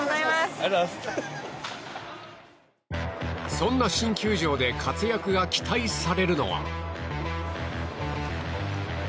そんな新球場で活躍が期待されるのは。